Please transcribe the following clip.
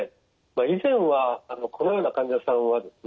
以前はこのような患者さんはですね